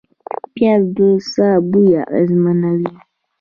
پیاز د ساه بوی اغېزمنوي